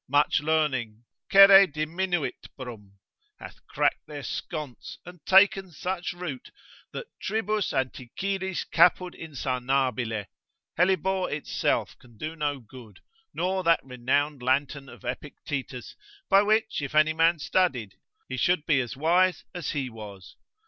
Much learning, cere diminuit brum, hath cracked their sconce, and taken such root, that tribus Anticyris caput insanabile, hellebore itself can do no good, nor that renowned lantern of Epictetus, by which if any man studied, he should be as wise as he was.